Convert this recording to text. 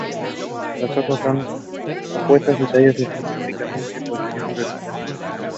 One day they come across an unconscious drummer and help him.